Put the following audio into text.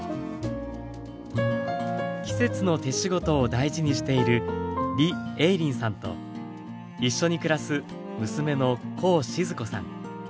季節の手仕事を大事にしている李映林さんと一緒に暮らす娘のコウ静子さん。